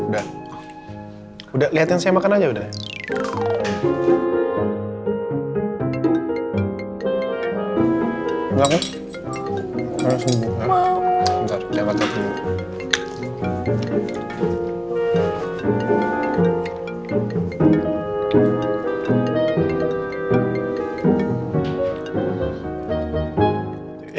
sembuh dulu baru makan andini karisma putri